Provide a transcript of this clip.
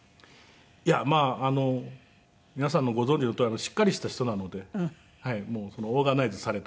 いやまあ皆さんもご存じのとおりしっかりした人なのでオーガナイズされた人だから。